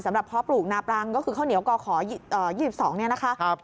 สำหรับเพราะปลูกนาปรังก็คือข้าวเหนียวก่อขอ๒๒นะคะ